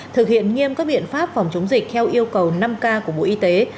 thực hiện nghiêm các biện pháp phòng chống dịch theo yêu cầu năm k của bộ y tế